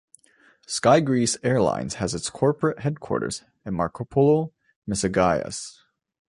SkyGreece Airlines has its corporate headquarters in Markopoulo Mesogaias.